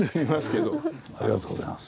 ありがとうございます。